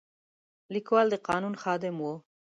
لیکوال د قانون خادم و.